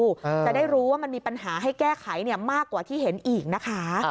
จะได้รู้ว่ามันมีปัญหาให้แก้ไขเนี่ยมากกว่าที่เห็นอีกนะคะ